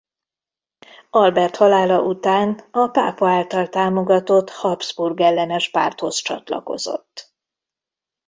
Albert halála után a pápa által támogatott Habsburg-ellenes párthoz csatlakozott.